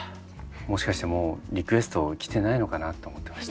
もしかしてもうリクエストきてないのかなって思ってました。